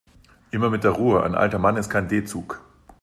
Immer mit der Ruhe, ein alter Mann ist kein D-Zug.